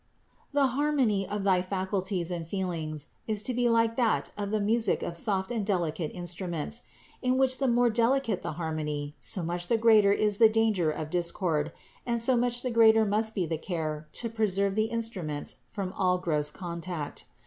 The harmony of thy faculties and feelings is to be like that of the music of soft and delicate instruments ; in which the more delicate the harmony, so much the greater is the danger of discord and so much the greater must be the care to preserve the instruments from all gross contact.